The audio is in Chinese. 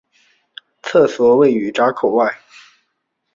厕所位于闸口外。